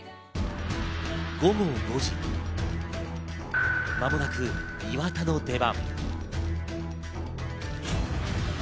午後５時、間もなく岩田の出番。